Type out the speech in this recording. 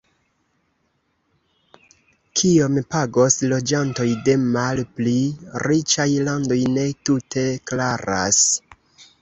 Kiom pagos loĝantoj de malpli riĉaj landoj ne tute klaras.